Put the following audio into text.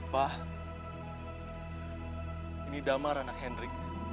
pa ini damar anak henry